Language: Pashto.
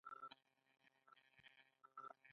ایا خوشحاله یاست؟